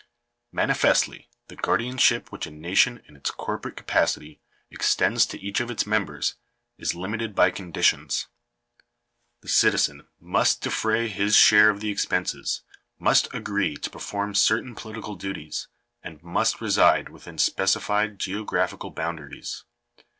Manifestly, the guardianship which a nation in its corporate ca pacity extends to each of its members, is limited by conditions. The citizen must defray his share of the expenses, must agree to perform certain political duties, and must reside within spe cified geographical boundaries.